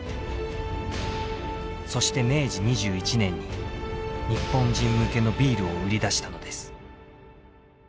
そして明治２１年に日本人向けのビールを売り出したのです。